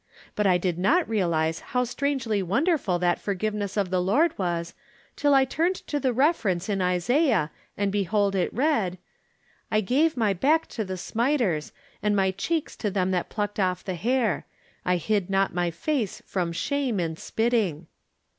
But I did not realize how strangely won derful that forgiveness of the Lord was, till I turned to the reference in Isaiah, and behold it read :" I gave my back to the smiters, and my cheeks to them that plucked off the hair. I hid not my face from shame and spitting."